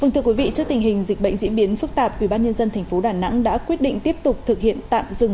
trước tình hình dịch bệnh diễn biến phức tạp ubnd tp đà nẵng đã quyết định tiếp tục thực hiện tạm dừng